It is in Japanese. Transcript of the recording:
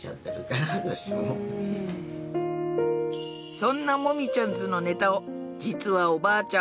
そんなもみちゃん☆ズのネタを実はおばあちゃん